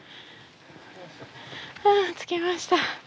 あ着きました。